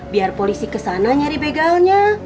biar polisi kesana nyari begalnya